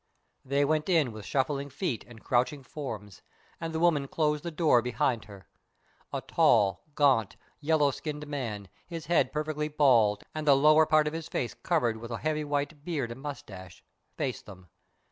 They went in with shuffling feet and crouching forms, and the woman closed the door behind her. A tall, gaunt, yellow skinned man, his head perfectly bald and the lower part of his face covered with a heavy white beard and moustache, faced them.